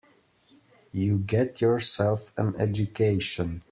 You get yourself an education.